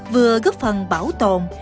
vừa góp phần bảo tồn